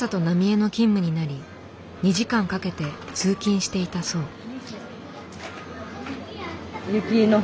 浪江の勤務になり２時間かけて通勤していたそう。